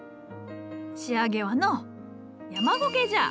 仕上げはの山ゴケじゃ。